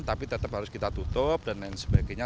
tapi tetap harus kita tutup dan lain sebagainya